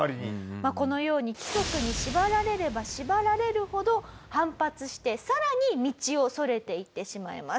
まあこのように規則に縛られれば縛られるほど反発してさらに道をそれていってしまいます。